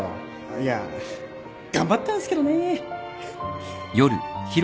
いや頑張ったんすけどね